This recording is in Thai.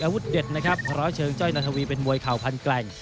เด็ดนะครับร้อยเชิงจ้อยนาธวีเป็นมวยเข่าพันแกร่ง